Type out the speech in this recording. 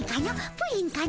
プリンかの？